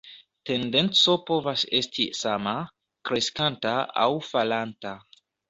Tendenco povas esti sama, kreskanta aŭ falanta.